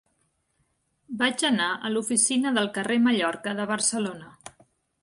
Vaig anar a l'oficina del Carrer Mallorca de Barcelona.